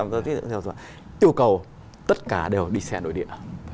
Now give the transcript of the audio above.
tiêu cầu tất cả đều đi xe nội địa